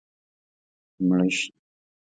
مړه شي